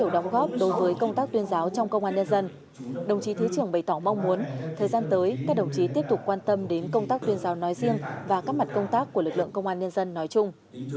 đối với công tác tuyên giáo trong công an nhân dân đồng chí thứ trưởng bày tỏ mong muốn thời gian tới các đồng chí tiếp tục quan tâm đến công tác tuyên giáo nói riêng và các mặt công tác của lực lượng công an nhân dân nói chung